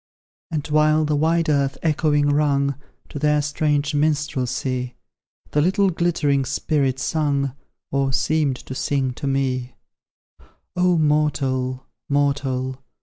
And, while the wide earth echoing rung To that strange minstrelsy The little glittering spirits sung, Or seemed to sing, to me: "O mortal! mortal!